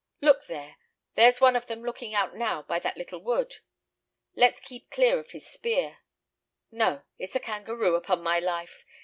Look there, there's one of them looking out now by that little wood! Let's keep clear of his spear; no, it's a kangaroo, upon my life!